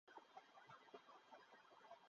আমি ট্যুর গাইডের আর পরিচালনা করি না।